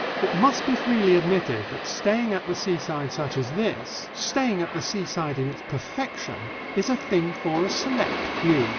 It must be freely admitted that staying at the seaside such as this, staying at the seaside in its perfection, is a thing for a select few.